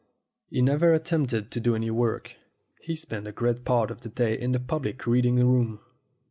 He never at tempt; ed to do any work. He spent a great part of the day in the public reading room.